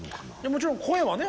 もちろん声はね